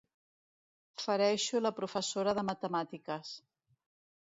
Fereixo la professora de matemàtiques.